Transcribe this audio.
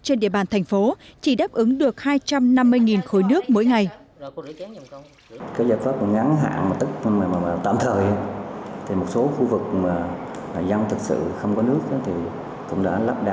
trên địa bàn thành phố chỉ đáp ứng được hai trăm năm mươi khối nước mỗi ngày